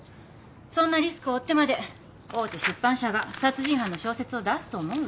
そんなリスクを負ってまで大手出版社が殺人犯の小説を出すと思う？